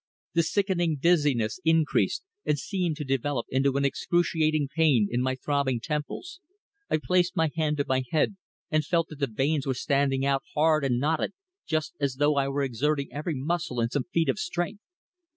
The sickening dizziness increased, and seemed to develop into an excruciating pain in my throbbing temples. I placed my hand to my head and felt that the veins were standing out hard and knotted, just as though I were exerting every muscle in some feat of strength.